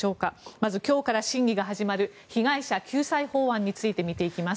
まず、今日から審議が始まる被害者救済法案について見ていきます。